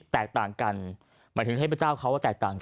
แตกต่างกันหมายถึงเทพเจ้าเขาแตกต่างกัน